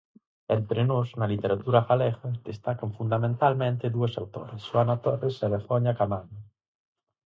Entre nós, na literatura galega, destacan fundamentalmente dúas autoras: Xohana Torres e Begoña Caamaño.